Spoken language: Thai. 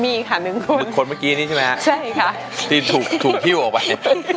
มีอีกค่ะหนึ่งถูกคนเมื่อกี้นี้ใช่ไหมฮะใช่ค่ะที่ถูกถูกหิ้วออกไป